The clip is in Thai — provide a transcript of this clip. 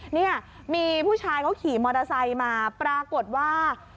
เนี่ยมีผู้ชายเขาขี่มอเตอร์ไซค์มาปรากฏว่า